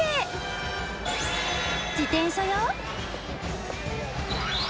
自転車や。